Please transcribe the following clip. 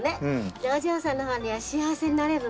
でお嬢さんの方には幸せになれるのね。